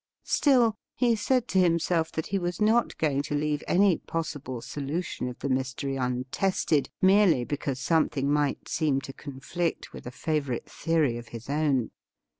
Still, he said to himself that he was not going to leave any possible solution of the mystery untested merely because something might seem to conflict with a favourite theory of his own.